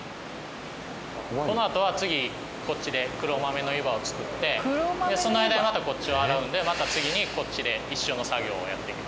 このあとは次こっちでその間にまたこっちを洗うのでまた次にこっちで一緒の作業をやっていきます。